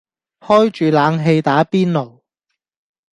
開住冷氣打邊爐